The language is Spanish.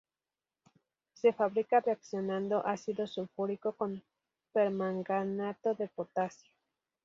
Se fabrica reaccionando ácido sulfúrico con permanganato de potasio.